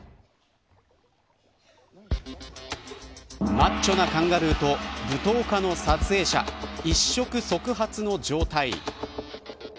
マッチョなカンガルーと武闘家の撮影者一触即発の状態。